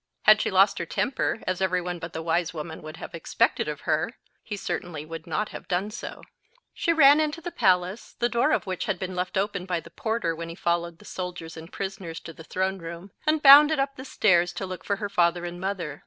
Had she lost her temper, as every one but the wise woman would have expected of her, he certainly would not have done so. She ran into the palace, the door of which had been left open by the porter when he followed the soldiers and prisoners to the throne room, and bounded up the stairs to look for her father and mother.